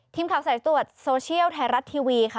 ทีมข่าวสายตรวจโซเชียลไทยรัฐทีวีค่ะ